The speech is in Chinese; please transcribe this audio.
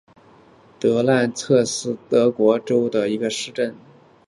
德赖茨希是德国图林根州的一个市镇。